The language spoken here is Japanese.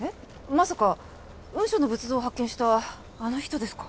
まさか雲尚の仏像を発見したあの人ですか？